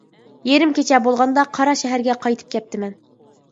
يېرىم كېچە بولغاندا قاراشەھەرگە قايتىپ كەپتىمەن.